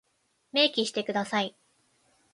明記してください。